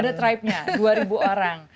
ada tribe nya dua ribu orang